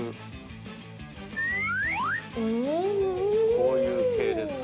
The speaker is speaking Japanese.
こういう系ですか？